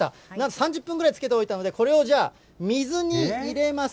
３０分ぐらいつけておきましたので、これを水に入れます。